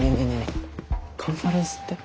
えカンファレンスって？